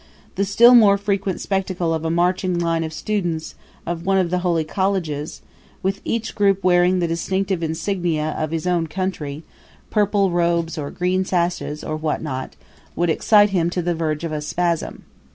The still more frequent spectacle of a marching line of students of one of the holy colleges, with each group wearing the distinctive insignia of its own country purple robes or green sashes, or what not would excite him to the verge of a spasm.